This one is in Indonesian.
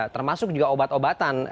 termasuk juga obat obatan